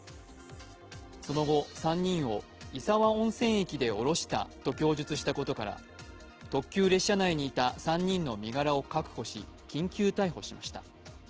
その後、３人を石和温泉駅で降ろしたと供述したことから特急列車内にいた３人の身柄を確保し緊急逮捕しました。